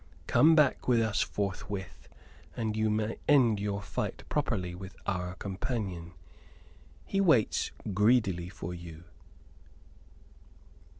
Come back with us forthwith and you may end your fight properly with our companion. He waits greedily for you."